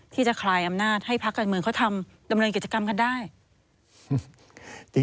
คลายอำนาจให้พักการเมืองเขาทำดำเนินกิจกรรมกันได้